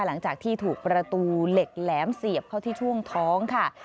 หลังจากที่ถูกประตูเหล็กแหลมเสียบเข้าที่ช่วงท้องค่ะ